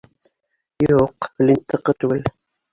— Юҡ, Флинттыҡы түгел.